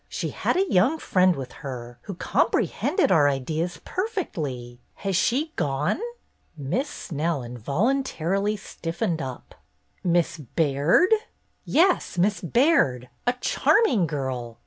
She had a young friend with her who comprehended our ideas perfectly. Has she gone?" Miss Snell involuntarily stiffened up. "Miss Baird?" "Yes, Miss Baird. A charming girl